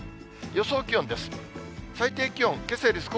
予想気温です。